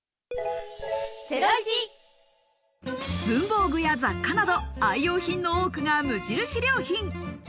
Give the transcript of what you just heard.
文房具や雑貨など、愛用品の多くが無印良品。